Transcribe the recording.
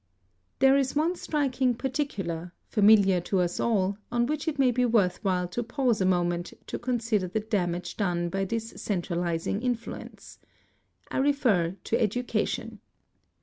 There is one striking particular, familiar to us all, on which it may be worth while to pause a moment to consider the damage done by this centralizing influence. I refer to educa tion.